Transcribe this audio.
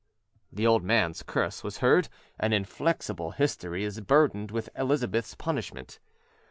The old man's curse was heard, and inflexible history is burdened with Elizabeth's punishment.